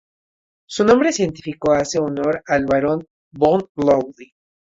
Su nombre científico hace honor al Barón von Ludwig.